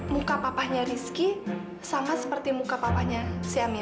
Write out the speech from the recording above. muka papahnya rizky sama seperti muka papahnya si amira